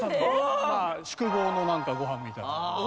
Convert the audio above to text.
宿坊のご飯みたいな。